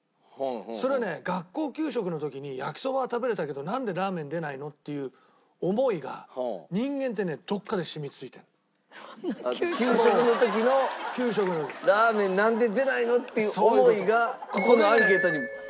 それはね「学校給食の時に焼きそばは食べられたけどなんでラーメン出ないの？」っていう思いが給食の時の「ラーメンなんで出ないの？」っていう思いがここのアンケートに表れる？